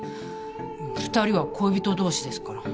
２人は恋人同士ですから。